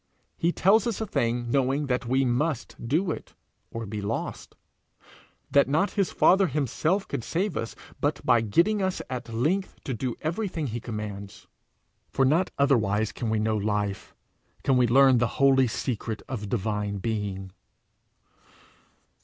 He tells us a thing knowing that we must do it, or be lost; that not his Father himself could save us but by getting us at length to do everything he commands, for not otherwise can we know life, can we learn the holy secret of divine being.